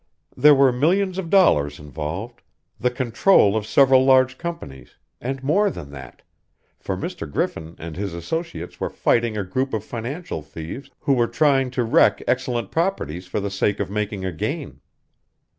There were millions of dollars involved, the control of several large companies, and more than that; for Mr. Griffin and his associates were fighting a group of financial thieves who were trying to wreck excellent properties for the sake of making a gain.